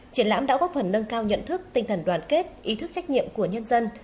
triển lãm đã góp phần nâng cao nhận thức tinh thần đoàn kết ý thức trách nhiệm của nhân dân